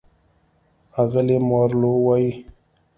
اغلې مارلو وايي: